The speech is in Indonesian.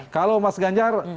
kalau mas ganjar